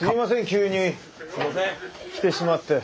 急に来てしまって。